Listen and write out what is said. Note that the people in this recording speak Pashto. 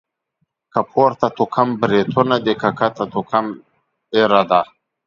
که پورته توکم بريتونه دي.، که کښته توکم ږيره ده.